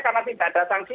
karena tidak ada sanksi